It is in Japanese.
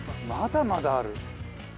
まだまだある。